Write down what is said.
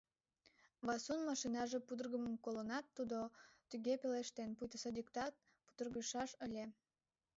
Васун машинаже пудыргымым колынат, тудо туге пелештен, пуйто садиктак пудыргышаш ыле: